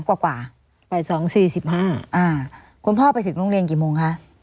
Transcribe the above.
กว่ากว่าบ่ายสองสี่สิบห้าอ่าคุณพ่อไปถึงโรงเรียนกี่โมงค่ะ